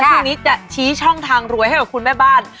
พรุ่งนี้จะชี้ช่องทางรวยให้กับคุณแม่บ้าน